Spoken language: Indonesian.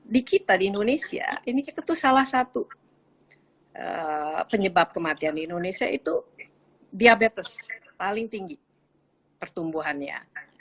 di kita di indonesia ini kita tuh salah satu penyebab kematian di indonesia itu diabetes paling tinggi pertumbuhannya